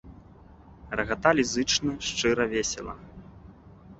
Рагаталі зычна, шчыра, весела.